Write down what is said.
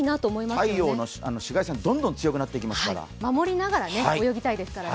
太陽の紫外線、どんどん強くなってきますから。